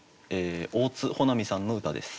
大津穂波さんの歌です。